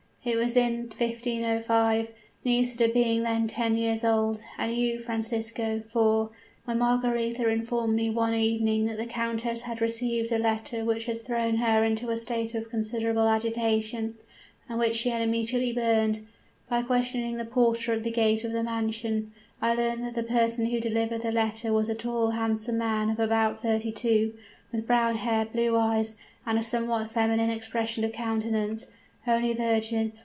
It was in 1505 Nisida being then ten years old, and you, Francisco, four when Margaretha informed me one evening that the countess had received a letter which had thrown her into a state of considerable agitation, and which she had immediately burned. By questioning the porter at the gate of the mansion, I learnt that the person who delivered the letter was a tall, handsome man of about thirty two, with brown hair, blue eyes, and a somewhat feminine expression of countenance. Holy Virgin!